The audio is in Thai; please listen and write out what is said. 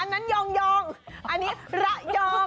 อันนั้นยองอันนี้ระยอง